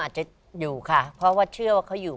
จะอยู่ค่ะเพราะว่าเชื่อว่าเขาอยู่